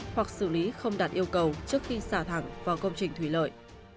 hoặc xử lý không đạt yêu cầu trước khi xả thẳng vào công trình thủy lợi